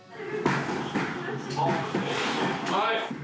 はい。